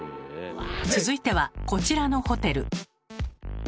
続いてはこちらのホテル。